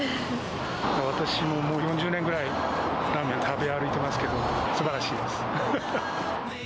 私も４０年ぐらいラーメン食べ歩いてますけど、すばらしいです。